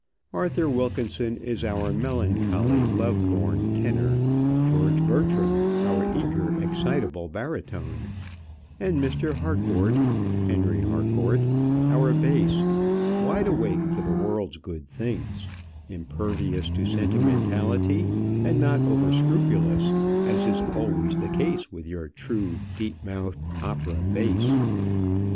Arthur Wilkinson is our melancholy love lorn tenor, George Bertram our eager, excitable barytone, and Mr. Harcourt Henry Harcourt our bass, wide awake to the world's good things, impervious to sentimentality, and not over scrupulous as is always the case with your true deep mouthed opera bass.